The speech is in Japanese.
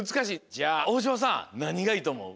じゃあ大島さんなにがいいとおもう？